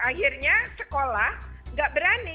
akhirnya sekolah tidak berani